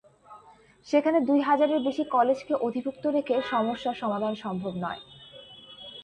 সেখানে দুই হাজারের বেশি কলেজকে অধিভুক্ত রেখে সমস্যার সমাধান সম্ভব নয়।